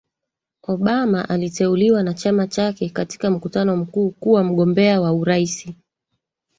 Obama aliteuliwa na chama chake katika mkutano mkuu kuwa mgombea wa uraisi